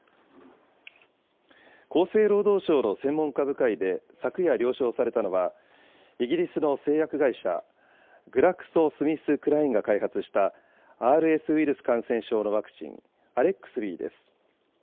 厚生労働省の専門家部会で、昨夜、了承されたのは、イギリスの製薬会社、グラクソ・スミスクラインが開発したＲＳウイルス感染症のワクチン、アレックスビーです。